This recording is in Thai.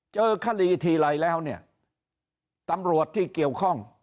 เจอคดีทีไรแล้วเนี่ยตำรวจที่เกี่ยวข้อง